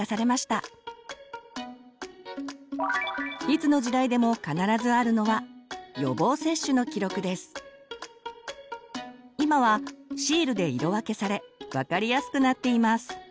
いつの時代でも必ずあるのは今はシールで色分けされ分かりやすくなっています。